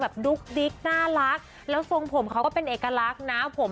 ดุ๊กดิ๊กน่ารักแล้วทรงผมเขาก็เป็นเอกลักษณ์นะผม